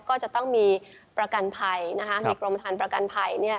ก็จะต้องมีประกันภัยนะคะมีกรมฐานประกันภัย